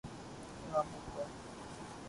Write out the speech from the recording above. Allama Iqbal